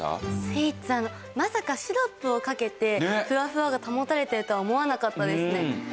スイーツまさかシロップをかけてフワフワが保たれてるとは思わなかったですね。